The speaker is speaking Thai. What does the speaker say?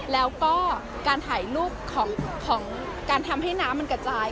แล้วก็การถ่ายรูปของการทำให้น้ำมันกระจาย